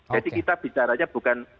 jadi kita bicaranya bukan